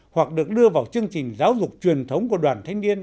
hoặc được đưa vào chương trình giáo dục truyền thống của đoàn thanh niên